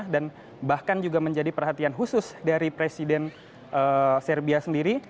dan bahkan juga menjadi perhatian khusus dari presiden serbia sendiri